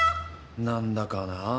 何だかなぁ。